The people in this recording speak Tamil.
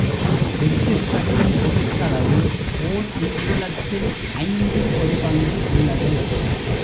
வெற்றுக் கண்ணின் குறுக்களவு ஓர் அங்குலத்தில் ஐந்தில் ஒரு பங்கு உள்ளது.